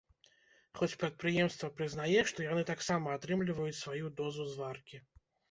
Хоць прадпрыемства прызнае, што яны таксама атрымліваюць сваю дозу зваркі.